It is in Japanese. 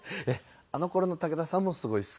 あの頃の武田さんもすごい好きで。